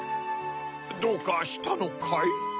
どうかしたのかい？